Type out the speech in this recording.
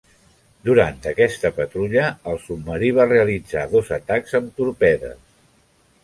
Durant aquesta patrulla, el submarí va realitzar dos atacs amb torpedes.